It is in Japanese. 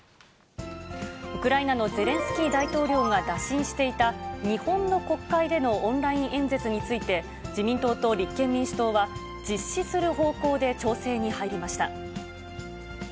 ウクライナのゼレンスキー大統領が打診していた、日本の国会でのオンライン演説について、自民党と立憲民主党は、実施する方向で調整に入りました。